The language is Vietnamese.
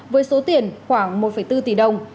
với số tiền khoảng một bốn tỷ đồng